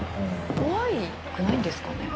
怖くないんですかね？